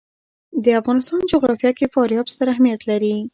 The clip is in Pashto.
د افغانستان جغرافیه کې فاریاب ستر اهمیت لري.